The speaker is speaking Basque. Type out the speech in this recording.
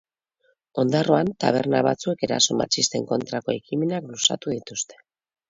Ondarroan taberna batzuek eraso matxisten kontrako ekimenak luzatu dituzte.